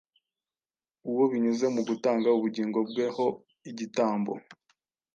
uwo binyuze mu gutanga ubugingo bwe ho igitambo